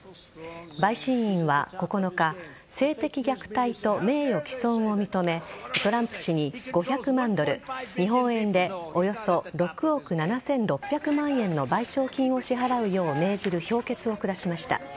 陪審員は９日性的虐待と名誉毀損を認めトランプ氏に５００万ドル日本円でおよそ６億７６００万円の賠償金を支払うよう命じる評決を下しました。